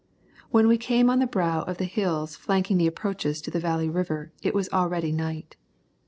When we came on the brow of the hills flanking the approaches to the Valley River it was already night.